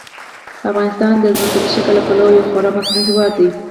افغانستان د ځمکني شکل له پلوه یو خورا متنوع هېواد دی.